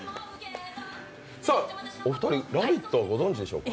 お二人、「ラヴィット！」はご存じでしょうか？